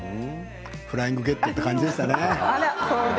フライングゲット感じましたね。